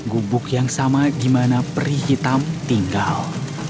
gubuk yang sama di mana peri hitam tinggal